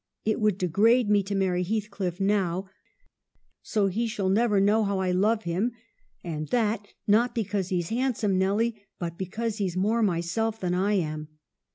It would degrade me to marry Heathcliff now, so he shall never know how I love him ; and that, not because he's handsome, Nelly, but because he's more myself than I am.